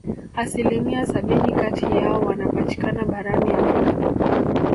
Asilimia sabini kati yao wanapatikana barani Afrika